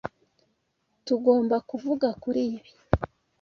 Tugomba kuvuga kuri ibi.